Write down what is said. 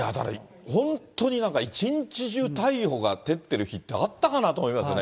本当になんか一日中太陽が照ってる日って、あったかなと思いますよね。